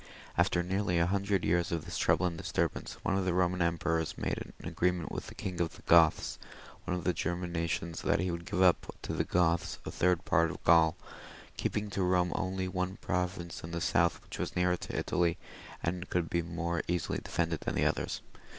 After nearly a hundred years of this trouble and disturbance, one of the Boman emperors made an agreement with the King of the Goths, one of the German nations, that he would give up to the Goths a third part of Guul, keeping for Eome only one province in the south, which was nearer to Italy, and could be more easily defended than the others.